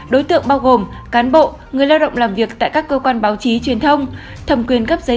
đối tượng bao gồm cán bộ người lao động làm việc tại các cơ quan báo chí truyền thông